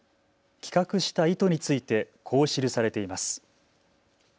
企画した意図についてこう記されています。